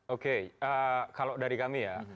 oke kalau dari kami ya